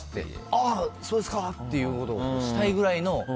ああ、そうですか！ってことをしたいくらいの。